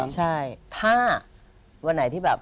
ใช่ถ้าวันไหนที่แบบ